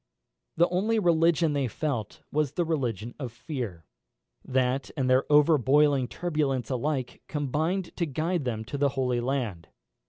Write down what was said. The only religion they felt was the religion of fear. That and their overboiling turbulence alike combined to guide them to the Holy Land.